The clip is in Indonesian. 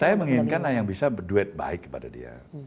saya menginginkan yang bisa berduet baik kepada dia